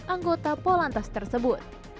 anggota polantas tersebut